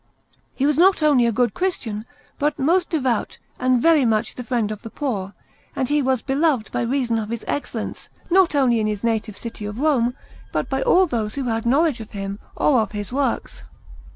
He was not only a good Christian, but most devout and very much the friend of the poor, and he was beloved by reason of his excellence not only in his native city of Rome but by all those who had knowledge of him or of his works.